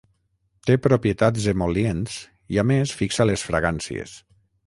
Té propietats emol·lients i a més fixa les fragàncies.